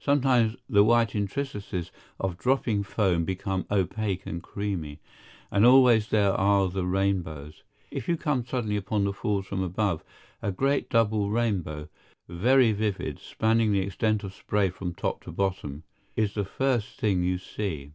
Sometimes the white intricacies of dropping foam become opaque and creamy. And always there are the rainbows. If you come suddenly upon the Falls from above, a great double rainbow, very vivid, spanning the extent of spray from top to bottom, is the first thing you see.